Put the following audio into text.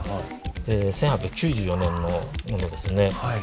１８９４年のモノですね。